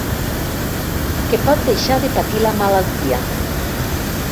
Que pot deixar de patir la malaltia.